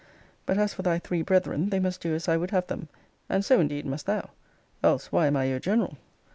But as for thy three brethren, they must do as I would have them: and so, indeed, must thou Else why am I your general?